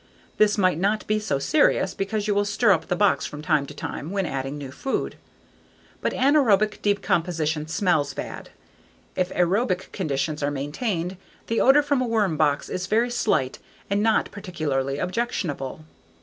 This might not be so serious because you will stir up the box from time to time when adding new food. But anaerobic decomposition smells bad. If aerobic conditions are maintained, the odor from a worm box is very slight and not particularly objectionable.